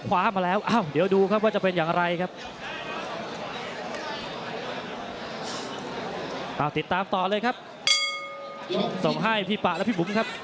ผู้ทำรายการเดินทางมาถึงแล้วครับท่านผู้ชมครับให้คะแนน๓คนพระเอกรียวัฒน์อินเอียมชุมพลอินตะยศอัพนาจสายฉลาด